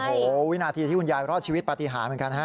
โอ้โหวินาทีที่คุณยายรอดชีวิตปฏิหารเหมือนกันฮะ